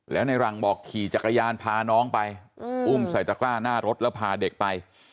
แล้วในรังบอกขี่จักรยานพาน้องไปอุ้มใส่ตระกร้าหน้ารถแล้วพาเด็กไป